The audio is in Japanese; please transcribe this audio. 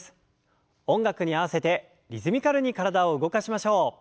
音楽に合わせてリズミカルに体を動かしましょう。